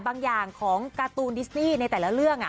บางอย่างของการ์ตูนดิสตี้ในแต่ละเรื่อง